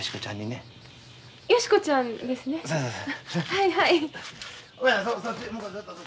はいはい。